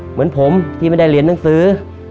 เหมือนผมที่ไม่ได้เรียนหนังสือ